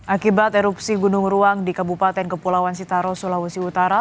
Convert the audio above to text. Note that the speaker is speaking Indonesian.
akibat erupsi gunung ruang di kabupaten kepulauan sitaro sulawesi utara